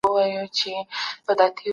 غير مستقيم لګښتونه هم ګټور تماميږي.